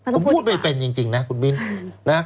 ผมพูดไม่เป็นจริงนะคุณมิ้นนะ